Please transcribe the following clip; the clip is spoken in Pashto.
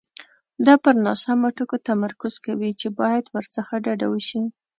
دا پر ناسمو ټکو تمرکز کوي چې باید ورڅخه ډډه وشي.